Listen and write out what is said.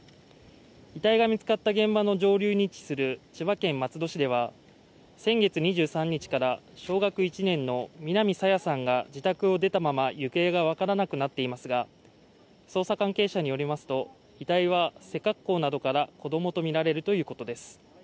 遺体が見つかった現場の上流に位置する千葉県松戸市では先月２３日から小学１年の南朝芽さんが自宅を出たまま行方が分からなくなっていますが捜査関係者によりますと、遺体は背格好などから子供とみられるということです。